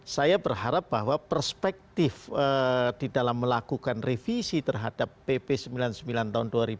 saya berharap bahwa perspektif di dalam melakukan revisi terhadap pp sembilan puluh sembilan tahun dua ribu dua